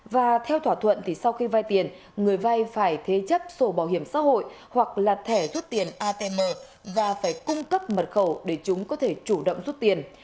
và theo thỏa thuận thì sau khi vay tiền người vai phải thế chấp sổ bảo hiểm xã hội hoặc là thẻ rút tiền atm và phải cung cấp mật khẩu để chúng có thể chủ động rút tiền